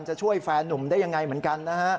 จะช่วยแฟนนุ่มได้ยังไงเหมือนกันนะฮะ